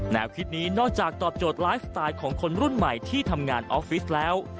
คิดนี้นอกจากตอบโจทย์ไลฟ์สไตล์ของคนรุ่นใหม่ที่ทำงานออฟฟิศแล้ว